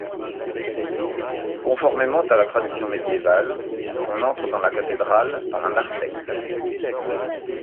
Conformément à la tradition médiévale, on entre dans la cathédrale par un narthex.